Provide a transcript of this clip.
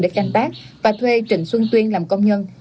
để canh tác và thuê trịnh xuân tuyên làm công nhân